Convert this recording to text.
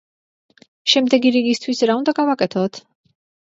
შემდეგი რიგისთვის რა უნდა გავაკეთოთ?